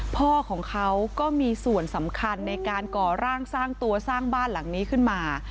พ่อของเขาก็มีส่วนสำคัญในการก่อร่างสร้างตัวสร้างบ้านหลังนี้ขึ้นมา